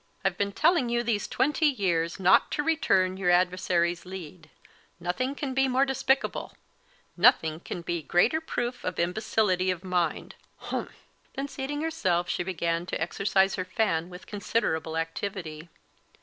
I've been telling you these twenty years not to return your adversary's lead; nothing can be more despicable; nothing can be a greater proof of imbecility of mind humph!" Then, seating herself, she began to exercise her fan with considerable activity.